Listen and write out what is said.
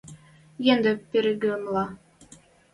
Ӹнде перегӹмлӓ?